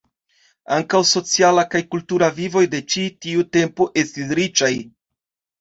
Ankaŭ sociala kaj kultura vivoj de ĉi tiu tempo estis riĉaj.